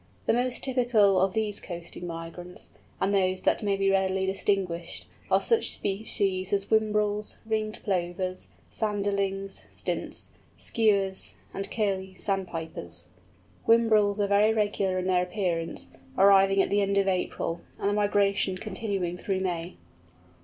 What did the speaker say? The most typical of these coasting migrants, and those that may be readily distinguished, are such species as Whimbrels, Ringed Plovers, Sanderlings, Stints, Skuas, and Curlew Sandpipers. Whimbrels are very regular in their appearance, arriving at the end of April, and the migration continuing through May.